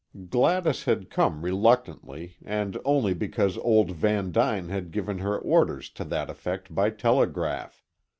Gladys had come reluctantly, and only because old Van Duyn had given her orders to that effect by telegraph.